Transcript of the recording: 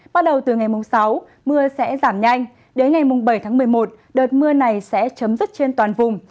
bắt đầu từ ngày sáu mưa sẽ giảm nhanh đến ngày bảy tháng một mươi một đợt mưa này sẽ chấm dứt trên toàn vùng